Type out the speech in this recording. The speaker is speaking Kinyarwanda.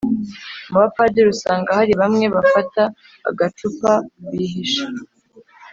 Mubapadiri usanga hari bamwe bafata agacupa bihishe